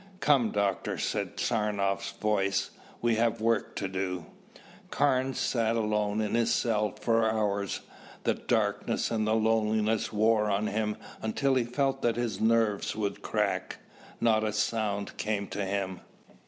"Come, Doctor," said Saranoff's voice. "We have work to do." Carnes sat alone in his cell for hours. The darkness and loneliness wore on him until he felt that his nerves would crack. Not a sound came to him.